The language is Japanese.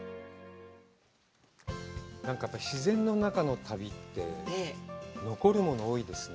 なんか自然の中の旅って、残るもの多いですね。